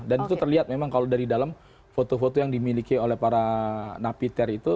dan itu terlihat memang kalau dari dalam foto foto yang dimiliki oleh para napiter itu